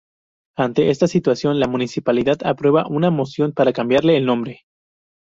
Ante esta situación la municipalidad aprueba una moción para cambiarle el nombre.